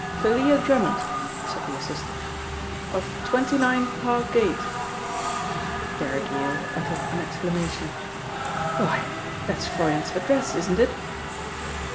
"Thalia Drummond," said the assistant, "of 29, Park Gate." Derrick Yale uttered an exclamation. "Why, that's Froyant's address, isn't it?"